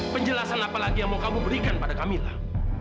penjelasan apalagi yang mau kamu berikan pada kamilah